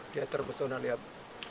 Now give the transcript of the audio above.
dia terpesona lihat